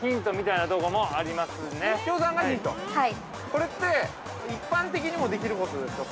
◆これって、一般的にもできることですか